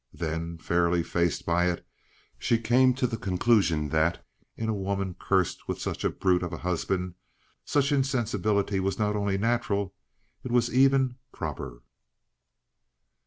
Then, fairly faced by it, she came to the conclusion that, in a woman cursed with such a brute of a husband, such insensibility was not only natural, it was even proper.